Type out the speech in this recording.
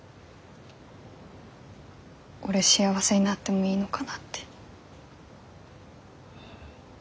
俺幸せになってもいいのかなって。